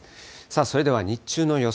それでは日中の予想